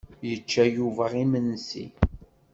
Yečča Yuba imensi.